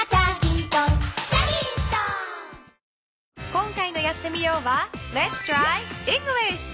今回の「やってみよう！」は。